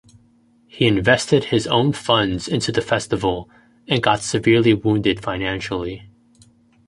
He invested his own funds into the festival, and got severely wounded financially.